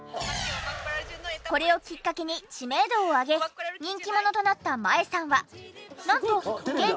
これをきっかけに知名度を上げ人気者となった麻恵さんはなんと。